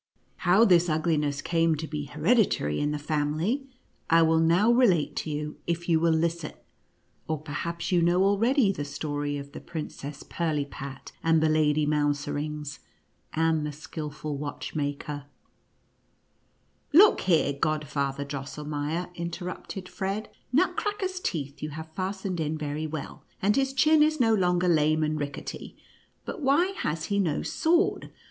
How this ugliness came to be hered itary in the family, I will now relate to you, if you will listen. Or perhaps you know already the story of the Princess Pirlipat and the Lady Mouserings, and the skilful, Watchmaker V NUTCRACKER AND MOUSE KING. 55 " Look Iiere, Godfather Drosselmeier," inter rupted Fred, " Nutcracker's teetli you have fast ened in very well, and his chin is no longer lame and rickety, but why has lie no sword